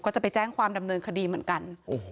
ก็จะไปแจ้งความดำเนินคดีเหมือนกัน